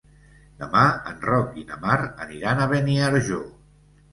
Demà en Roc i na Mar aniran a Beniarjó.